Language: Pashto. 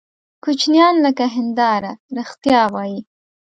کوچنیان لکه هنداره رښتیا وایي.